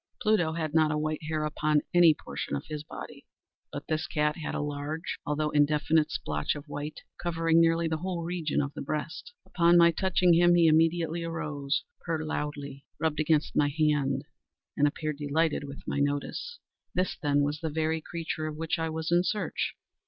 Pluto had not a white hair upon any portion of his body; but this cat had a large, although indefinite splotch of white, covering nearly the whole region of the breast. Upon my touching him, he immediately arose, purred loudly, rubbed against my hand, and appeared delighted with my notice. This, then, was the very creature of which I was in search.